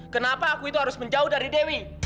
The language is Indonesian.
kenapa aku itu harus menjauh dari dewi